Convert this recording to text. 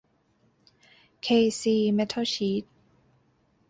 เค ซี เมททอลชีท